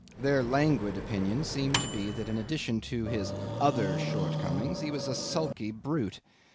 Their languid opinion seemed to be that, in addition to his other shortcomings, he was a sulky brute.